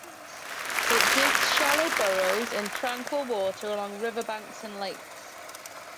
It digs shallow burrows in tranquil water along river banks and lakes.